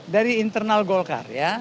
dari internal golkar ya